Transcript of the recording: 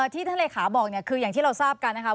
ที่ท่านเลขาบอกเนี่ยคืออย่างที่เราทราบกันนะคะ